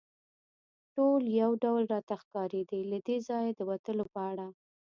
ټولې یو ډول راته ښکارېدې، له دې ځایه د وتلو په اړه.